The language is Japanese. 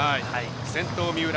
先頭、三浦。